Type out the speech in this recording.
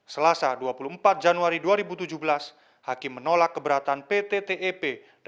selasa dua puluh empat januari dua ribu tujuh belas hakim menolak keberatan pt tep